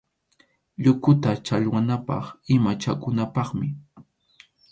Llukuqa challwanapaq ima chakunapaqmi.